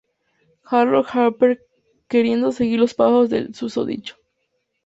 Harold Harper, queriendo seguir los pasos del susodicho.